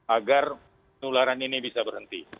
agar penularan ini bisa berhenti